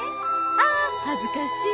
あ恥ずかしい。